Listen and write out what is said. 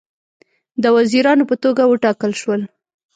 د وزیرانو په توګه وټاکل شول.